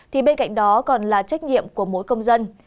thì bên cạnh đó còn là trách nhiệm của mỗi công dân